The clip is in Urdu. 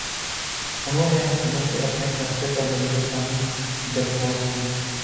نہوں نے حکومت سے اپنے فیصلے پرنظرثانی کی درخواست کی